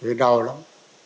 thì đau lắm